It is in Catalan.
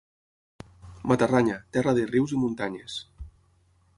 Matarranya, terra de rius i muntanyes.